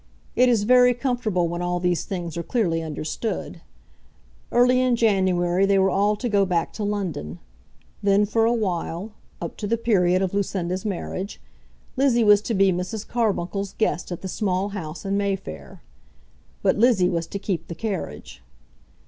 It is very comfortable when all these things are clearly understood. Early in January they were all to go back to London. Then for a while, up to the period of Lucinda's marriage, Lizzie was to be Mrs. Carbuncle's guest at the small house in Mayfair; but Lizzie was to keep the carriage.